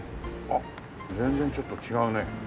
あっ全然ちょっと違うね。